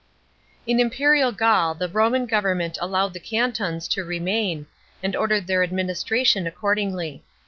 In imperial Gaul the Roman government allowed the cantons to remain, and ordered their administration accordingly.